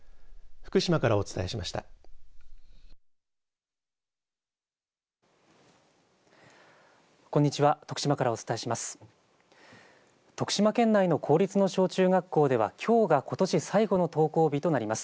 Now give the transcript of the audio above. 徳島県内の公立の小中学校ではきょうがことし最後の登校日となります。